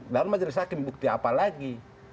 dalam majelis hakim bukti apa lagi